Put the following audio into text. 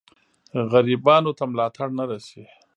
غریبانو ته ملاتړ نه رسي.